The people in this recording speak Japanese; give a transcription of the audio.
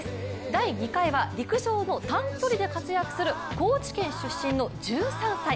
第２回は陸上の短距離で活躍する高知県出身の１３歳。